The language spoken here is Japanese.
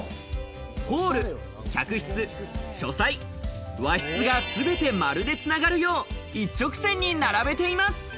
ホール、客室、書斎、和室が、全て丸で繋がるよう一直線に並べています。